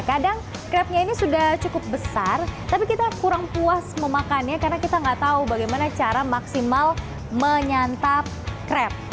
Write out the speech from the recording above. kadang krepnya ini sudah cukup besar tapi kita kurang puas memakannya karena kita nggak tahu bagaimana cara maksimal menyantap krep